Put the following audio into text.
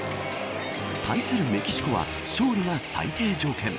対するメキシコは勝利が最低条件。